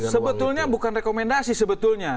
sebetulnya bukan rekomendasi sebetulnya